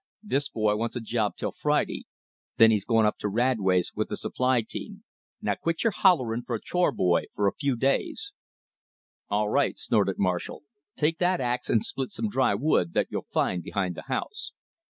"This boy wants a job till Friday. Then he's going up to Radway's with the supply team. Now quit your hollerin' for a chore boy for a few days." "All right," snorted Marshall, "take that ax and split some dry wood that you'll find behind the house."